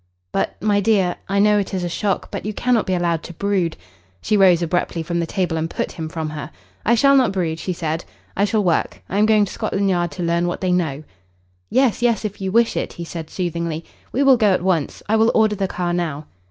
"But my dear, I know it is a shock, but you cannot be allowed to brood " She rose abruptly from the table and put him from her. "I shall not brood," she said. "I shall work. I am going to Scotland Yard to learn what they know." "Yes, yes, if you wish it," he said soothingly. "We will go at once. I will order the car now."